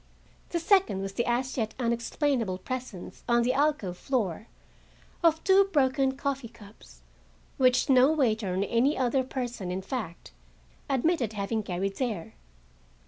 The second was the as yet unexplainable presence, on the alcove floor, of two broken coffee cups, which no waiter nor any other person, in fact, admitted having carried there.